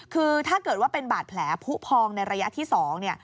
คือถ้าเกิดว่าเป็นบาดแผลผู้พองในระยะที่๒เนี่ย